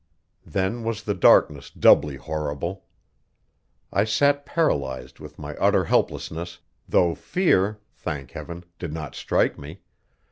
Then was the darkness doubly horrible. I sat paralyzed with my utter helplessness, though fear, thank Heaven, did not strike me!